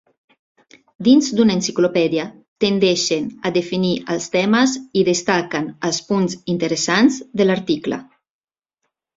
Dins d'una enciclopèdia tendeixen a definir els temes i destaquen els punts interessants de l'article.